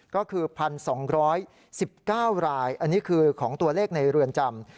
ก็คือ๑๒๑๙รายอันนี้คือของตัวเลขในเรือนจำ